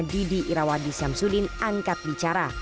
didi irawadi syamsuddin angkat bicara